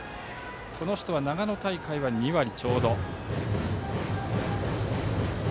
この人は長野大会は２割ちょうど。